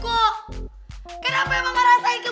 kenapa mama rasain ke bule itu sama sama meli ngerasain ke ian